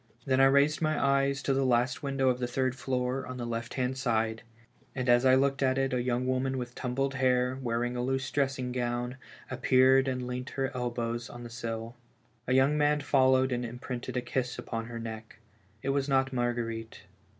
Then I raised my eyes to the last window'' of the third floor on tlie left hand side, and as I looked at it a young woman with tumbled hair, wearing a loose dressing gowm, appeared and leant her elbows on the sill. A young man followed and imprinted a kiss upon her neck. It was not Marguerite.